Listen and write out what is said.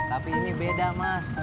tapi ini beda mas